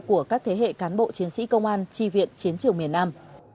của các thế hệ cán bộ chiến sĩ công an tri viện chiến trường miền nam